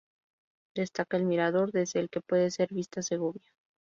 Destaca el mirador desde el que puede ser vista Segovia.